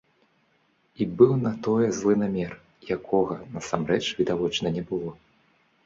І быў на тое злы намер, якога насамрэч, відавочна, не было.